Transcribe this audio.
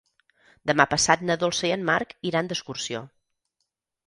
Demà passat na Dolça i en Marc iran d'excursió.